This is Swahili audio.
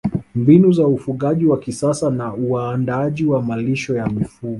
Mbinu za ufugaji wa kisasa na uandaaji wa malisho ya mifugo